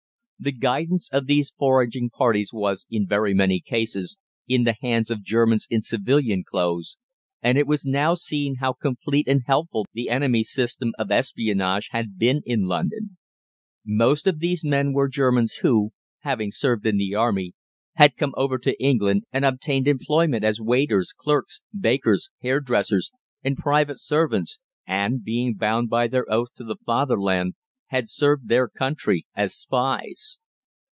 The guidance of these foraging parties was, in very many cases, in the hands of Germans in civilian clothes, and it was now seen how complete and helpful the enemy's system of espionage had been in London. Most of these men were Germans who, having served in the army, had come over to England and obtained employment as waiters, clerks, bakers, hairdressers, and private servants, and being bound by their oath to the Fatherland had served their country as spies.